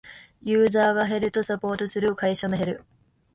ユーザーが減るとサポートする会社も減る